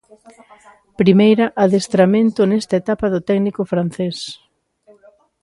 Primeira adestramento nesta etapa do técnico francés.